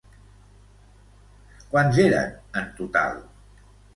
Quants eren en total?